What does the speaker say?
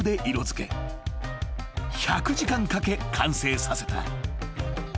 ［１００時間かけ完成させた］